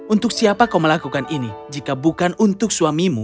untuk siapa kau melakukan ini jika bukan untuk suamimu